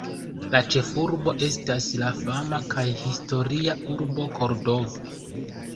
La ĉefurbo estas la fama kaj historia urbo Kordovo.